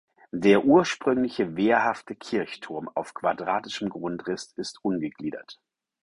Der ursprünglich wehrhafte Kirchturm auf quadratischem Grundriss ist ungegliedert.